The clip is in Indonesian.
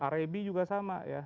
reb juga sama ya